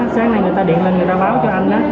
sáng nay người ta điện lên người ta báo cho anh á